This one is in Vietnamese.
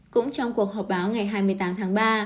cũng trong cuộc họp báo ngày hai mươi tám tháng ba